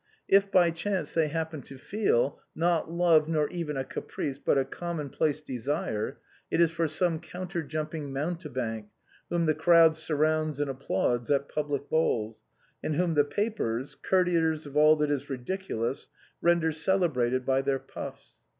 If by chance they happen to feel, not love nor even a caprice, but a com mon place desire, it is for some counter jumping mounte bank, whom the crowd surrounds and applauds at public balls, and whom the papers, courtiers of all that is ridicul ous, render celebrated by their puffs.